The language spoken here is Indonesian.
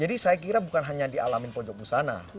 jadi saya kira bukan hanya dialami pojok busana